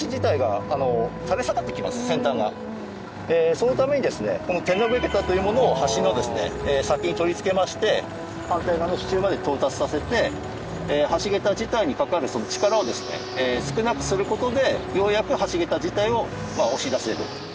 そのためにですねこの手延べ桁というものを橋の先に取り付けまして反対側の支柱まで到達させて橋桁自体にかかる力をですね少なくする事でようやく橋桁自体を押し出せる。